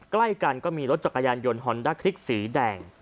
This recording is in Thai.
ใกล้กันก็มีรถจักรยานยนต์ฮอนด้าคลิกสีแดง